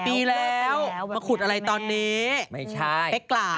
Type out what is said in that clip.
๔ปีแล้วมาขุดอะไรตอนนี้เป๊ะกล่าวไม่ใช่